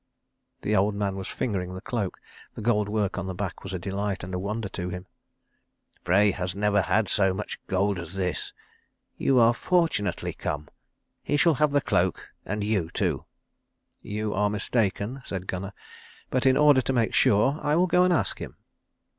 The old man was fingering the cloak. The gold work on the back was a delight and wonder to him. "Frey has never had so much gold as this. You are fortunately come. He shall have the cloak and you too." "You are mistaken," said Gunnar. "But in order to make sure, I will go and ask him."